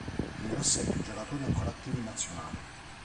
In grassetto i giocatori ancora attivi in Nazionale.